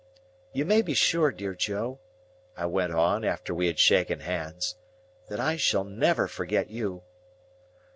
"You may be sure, dear Joe," I went on, after we had shaken hands, "that I shall never forget you."